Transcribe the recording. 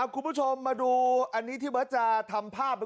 คุณผู้ชมมาดูอันนี้ที่เบิร์ตจะทำภาพ